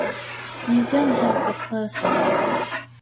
You don't have the close-up.